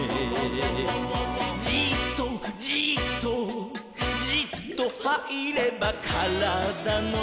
「じっとじっとじっとはいればからだの」